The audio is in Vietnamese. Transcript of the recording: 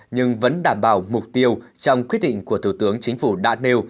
nhưng vẫn đảm bảo mục tiêu trong quyết định của thủ tướng chính phủ đã nêu